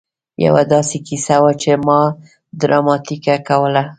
يوه داسې کيسه وه چې ما ډراماتيکه کوله.